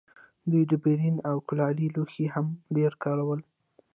دوی ډبرین او کلالي لوښي هم ډېر کارول.